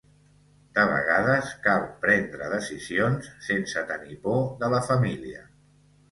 De vegades cal prendre decisions sense tenir por de la família.